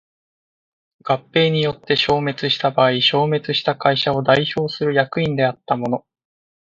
合併により消滅した場合消滅した会社を代表する役員であった者